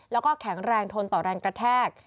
แล้วก็แข็งแรงทนต่อแรงกระแทก